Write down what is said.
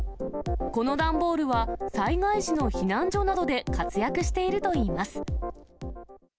この段ボールは、災害時の避難所などで活躍しているといいます。